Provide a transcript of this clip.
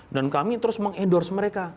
dan kami terus meng endorse mereka